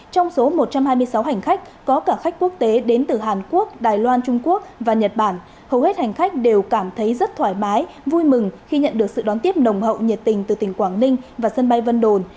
trong số một trăm hai mươi sáu hành khách có cả khách quốc tế đến từ hàn quốc đài loan trung quốc và nhật bản hầu hết hành khách đều cảm thấy rất thoải mái vui mừng khi nhận được sự đón tiếp nồng hậu nhiệt tình từ tỉnh quảng ninh và sân bay vân đồn